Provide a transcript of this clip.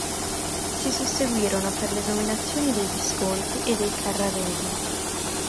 Si susseguirono poi le dominazioni dei Visconti e dei Carraresi.